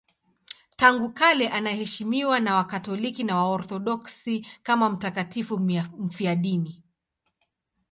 Tangu kale anaheshimiwa na Wakatoliki na Waorthodoksi kama mtakatifu mfiadini.